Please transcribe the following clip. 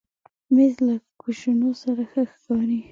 مېز له کوشنو سره ښه ښکاري.